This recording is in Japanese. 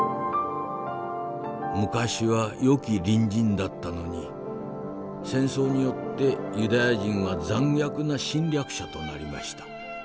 「昔はよき隣人だったのに戦争によってユダヤ人は残虐な侵略者となりました。